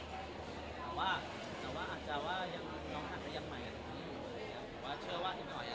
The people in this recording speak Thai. แต่ว่าอาจจะว่าอย่างน้องหาตะยังใหม่ว่าเชื่อว่าอีกหน่อย